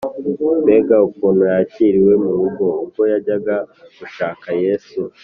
. Mbega ukuntu yakiriwe mu rugo! Ubwo yajyaga gushaka Yesu,